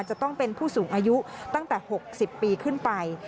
จะต้องเป็นผู้สูงอายุตั้งแต่๖๐ปีขึ้นไป